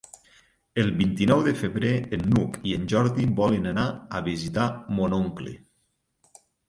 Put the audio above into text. El vint-i-nou de febrer n'Hug i en Jordi volen anar a visitar mon oncle.